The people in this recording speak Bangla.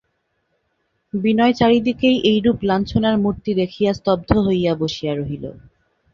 বিনয় চারি দিকেই এইরূপ লাঞ্ছনার মূর্তি দেখিয়া স্তব্ধ হইয়া বসিয়া রহিল।